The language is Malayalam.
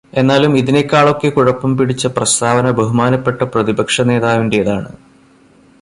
എന്നാലും ഇതിനേക്കാളൊക്കെ കുഴപ്പം പിടിച്ച പ്രസ്താവന ബഹുമാനപ്പെട്ട പ്രതിപക്ഷനേതാവിന്റേതാണ്.